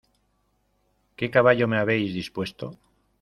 ¿ qué caballo me habéis dispuesto?